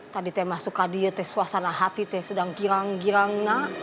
tadi teh mah suka dia teh suasana hati teh sedang girang girang